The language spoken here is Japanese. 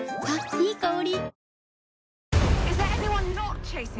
いい香り。